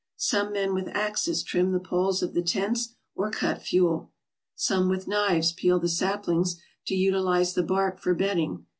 Some men with axes trim the poles of the tents or cut fuel. Some with knives peel the saplings to utilize the bark for bedding.